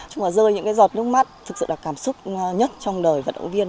chung là rơi những cái giọt nước mắt thực sự là cảm xúc nhất trong đời vận động viên